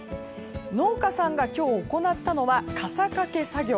農家さんが今日行ったのは傘かけ作業。